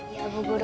iya bu guru